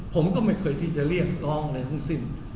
ผมก็ไม่เคยที่จะเรียกร้องอะไรทั้งสิ้น